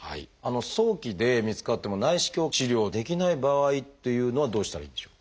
早期で見つかっても内視鏡治療できない場合というのはどうしたらいいんでしょう？